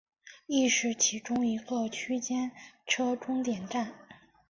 亦是其中一个区间车终点站。